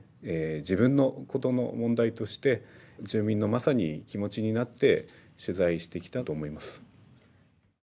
自分のことの問題として住民のまさに気持ちになって取材してきたと思います。